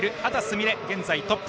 美鈴現在トップ。